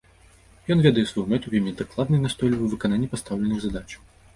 Ён ведае сваю мэту, вельмі дакладны і настойлівы ў выкананні пастаўленых задач.